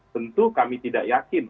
tentu kami tidak yakin